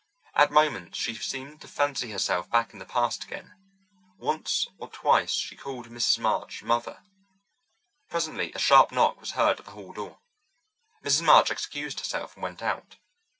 At moments she seemed to fancy herself back in the past again. Once or twice she called Mrs. March "Mother." Presently a sharp knock was heard at the hall door. Mrs. March excused herself and went out.